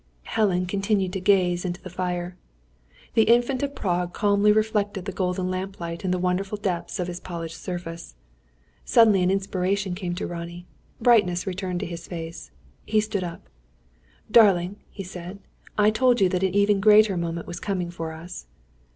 Helen continued to gaze into the fire. The Infant of Prague calmly reflected the golden lamplight in the wonderful depths of its polished surface. Suddenly an inspiration came to Ronnie. Brightness returned to his face. He stood up. "Darling," he said, "I told you that an even greater moment was coming for us."